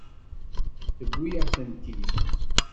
Tewwi-yaɣ-tent-id.